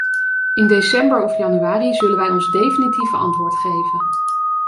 In december of januari zullen wij ons definitieve antwoord geven.